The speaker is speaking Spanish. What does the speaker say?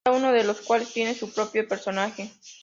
Cada uno de los cuales tiene su propio personaje.